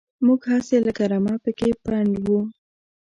موږ هسې لکه رمه پکې پنډ وو.